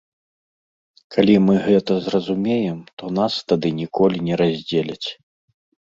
Калі мы гэта зразумеем, то нас тады ніколі не раздзеляць.